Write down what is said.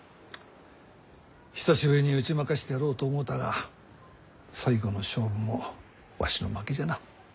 久しぶりに打ち負かしてやろうと思うたが最後の勝負もわしの負けじゃな。